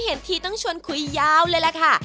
เห็นทีต้องชวนคุยยาวเลยล่ะค่ะ